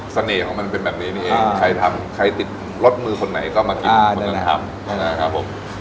เสน่ห์ของมันเป็นแบบนี้นี่เองใครติดรสมือคนไหนก็มากินคนเดินทำ